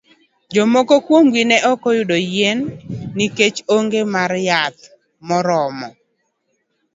Jomoko kuom gi ne ok oyudo yien nikech onge mar yath morormo.